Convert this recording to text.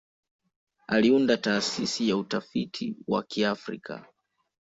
Aliunda Taasisi ya Utafiti wa Kiafrika.